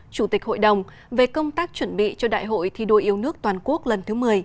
chủ tịch hội đồng về công tác chuẩn bị cho đại hội thi đua yêu nước toàn quốc lần thứ một mươi